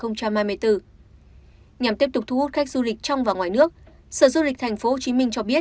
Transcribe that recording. nhằm tiếp tục thu hút khách du lịch trong và ngoài nước sở du lịch tp hcm cho biết